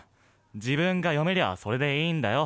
自分が読めりゃそれでいいんだよ」。